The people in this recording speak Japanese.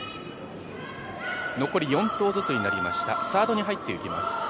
残り４投ずつになりました、サードに入っていきます。